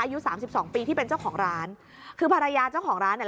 อายุสามสิบสองปีที่เป็นเจ้าของร้านคือภรรยาเจ้าของร้านเนี่ย